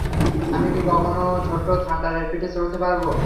আমি কি কখনো ছোট্ট থান্ডারের পিঠে চড়তে পারব?